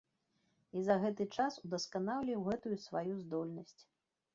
І за гэты час удасканаліў гэтую сваю здольнасць.